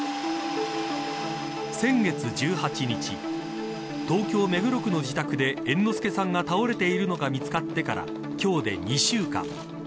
先月１８日東京、目黒区の自宅で猿之助さんが倒れているのが見つかってから今日で２週間。